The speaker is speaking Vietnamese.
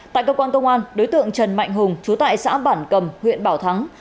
tại cơ quan công an đối tượng trần mạnh hùng chú tại xã bản cầm huyện bảo thắng